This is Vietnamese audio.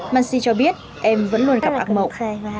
mansi cho biết em vẫn luôn gặp ác mộng